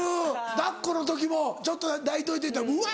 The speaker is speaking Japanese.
抱っこの時もちょっと抱いといていうたらウワ！